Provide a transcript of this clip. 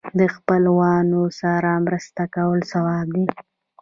د خپلوانو سره مرسته کول ثواب دی.